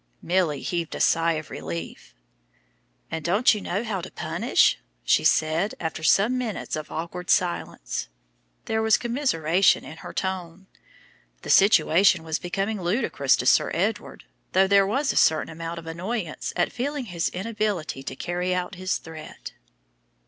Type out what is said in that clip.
Milly heaved a sigh of relief. "And don't you know how to punish," she said after some minutes of awkward silence. There was commiseration in her tone. The situation was becoming ludicrous to Sir Edward, though there was a certain amount of annoyance at feeling his inability to carry out his threat.